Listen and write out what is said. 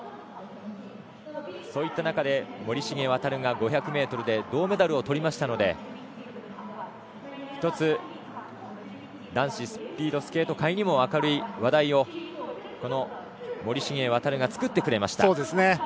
そういった中で森重航が５００ｍで銅メダルをとりましたので、１つ男子スピードスケート界にも明るい話題を森重航が作ってくれました。